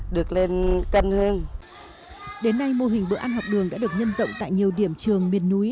đến nay mô hình bữa ăn học đường đã được nhân rộng tại nhiều điểm trường miền núi